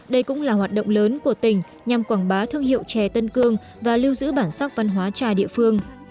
đây cũng là hoạt động lớn của tỉnh nhằm quảng bá thương hiệu chè tân cương và lưu giữ bản sắc văn hóa trà địa phương